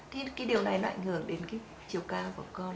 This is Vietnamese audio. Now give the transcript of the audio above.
thì điều này lại ảnh hưởng đến chiều cao của con